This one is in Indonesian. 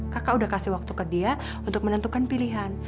kakak udah kasih waktu ke dia untuk menentukan pilihan